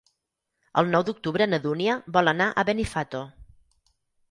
El nou d'octubre na Dúnia vol anar a Benifato.